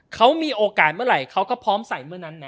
เขามีโอกาสเมื่อไหร่เขาก็พร้อมใส่เมื่อนั้นนะ